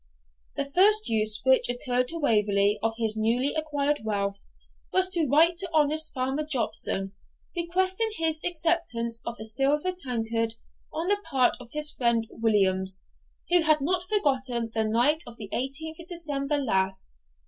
The first use which occurred to Waverley of his newly acquired wealth was to write to honest Farmer Jopson, requesting his acceptance of a silver tankard on the part of his friend Williams, who had not forgotten the night of the eighteenth December last.